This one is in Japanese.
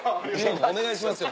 お願いしますよ